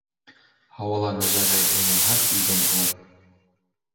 Һауала нәжәғәй уйнаһа, иген уңыр.